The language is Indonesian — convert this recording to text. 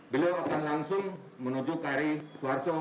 beliau akan langsung menuju kari suarjo